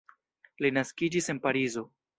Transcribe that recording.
Li naskiĝis en Parizo.